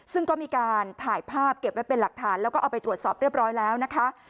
ซึ่งก็มีการถ่ายภาพเก็บไว้เป็นหลักฐานแล้วก็เอาไปตรวจสอบเรียบร้อยแล้วนะคะ